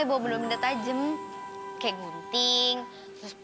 ibu sakit umur